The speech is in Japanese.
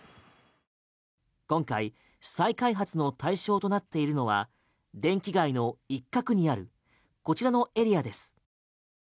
今回再開発の対象となっているのは電気街の一角にあるこちらのエリアです。